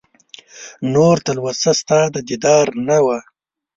نور تلوسه ستا د دیدار نه وه